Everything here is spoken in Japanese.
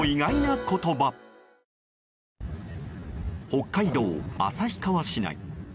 北海道旭川市内。